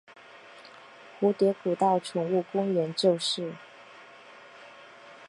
蝴蝶谷道宠物公园就是。